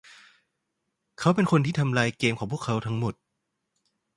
เขาเป็นคนที่ทำลายเกมของพวกเขาทั้งหมด